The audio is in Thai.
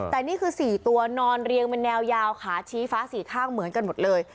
แต่นี่คือ๔ตัวนอนเรียงเป็นแนวยาวขาชี้ฟ้าสี่ข้างเหมือนกันหมดเลย